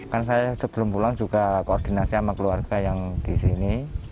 kan saya sebelum pulang juga koordinasi sama keluarga yang di sini